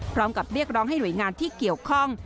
พร้อมกับเรียกร้องให้หลวยงานที่เกี่ยวข้อง